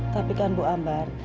tapi kan bu ambar